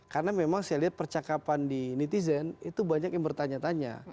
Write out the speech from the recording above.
karena memang saya lihat percakapan di netizen itu banyak yang bertanya tanya